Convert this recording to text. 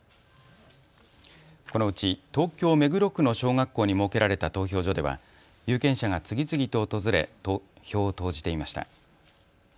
このうち東京目黒区の小学校に設けられた投票所では有権者が次々と訪れ票を投じていました。